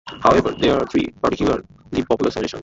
However, there are three particularly popular suggestions.